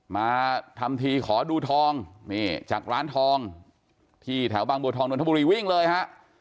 มาทำทีขอดูทองนี่จากร้านทองที่แถวบางบัวทองนนทบุรีวิ่งเลยฮะ